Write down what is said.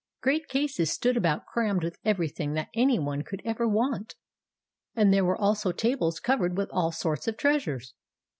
Great cases stood about crammed with everything that any one could ever want; and there were also tables covered with all sorts of treasures.